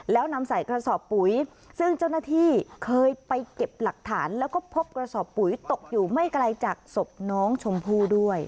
แล้วนำใส่กระสอบปุ๋ยซึ่งเจ้าหน้าที่เคยไปเก็บหลักฐานแล้วก็พบกระสอบปุ๋ยตกอยู่ไม่ไกลจากศพน้องชมพู่ด้วย